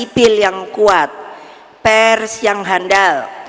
sipil yang kuat pers yang handal